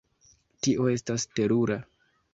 Tio estas terura.